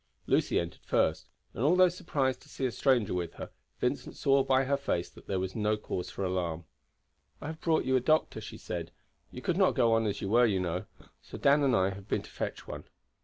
Lucy entered first; and although surprised to see a stranger with her, Vincent saw by her face that there was no cause for alarm. "I have brought you a doctor," she said. "You could not go on as you were, you know. So Dan and I have been to fetch one."